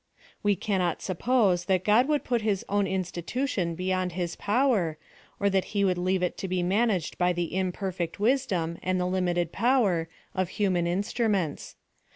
AVe cannot suppose that God would put his own institution beyond his power, or that he would leave it to be managed by the imperfect wisdom, and tba limited power, of human instruments.